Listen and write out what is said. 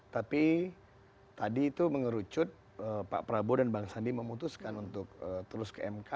tapi tadi itu mengerucut pak prabowo dan bang sandi memutuskan untuk terus ke mk